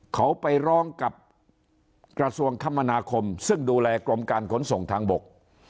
เขาไปร้องกับกระทรวงคมนาคมซึ่งดูแลกรมการขนส่งทางบก